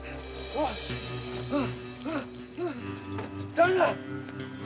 誰だ？